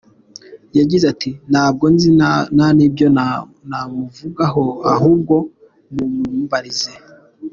Yagize ati ”Ntabwo nzi nta n’ibyo namuvugaho, ahubwo mumumbarize.